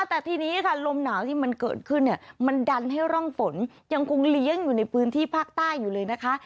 แต่ทีนี้ค่ะลมหนาวที่มันเกิดขึ้นเนี่ยมันดันให้ร่องฝนยังคงเลี้ยงอยู่ในพื้นที่ภาคใต้อยู่เลยนะคะ